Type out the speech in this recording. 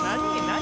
何？